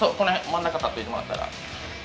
真ん中立っといてもらったら。